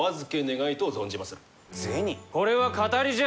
これは騙りじゃ。